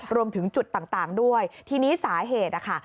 รวมถึงจุดต่างด้วยทีนี้สาเหตุนะคะ